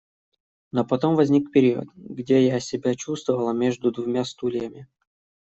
Но потом возник период, где я себя чувствовала между двумя стульями.